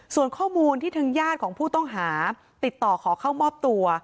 ส่วนข้อมูลที่ทางญาติของผู้ต้องหาติดต่อขอเข้ามอบตัว